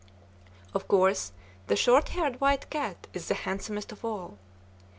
Of course the short haired white cat is the handsomest of all.